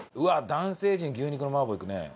男性陣牛肉の麻婆いくね。